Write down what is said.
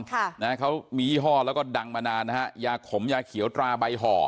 ค่ะนะฮะเขามียี่ห้อแล้วก็ดังมานานนะฮะยาขมยาเขียวตราใบห่อ